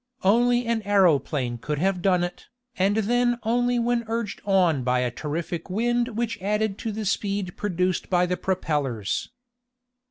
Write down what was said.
Only an aeroplane could have done it, and then only when urged on by a terrific wind which added to the speed produced by the propellers.